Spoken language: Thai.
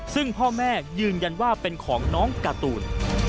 ซึ่งพ่อแม่ยืนยันว่าเป็นของน้องการ์ตูน